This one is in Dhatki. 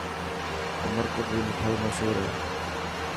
عمرڪوٽ ري مٺائن مشهور هي.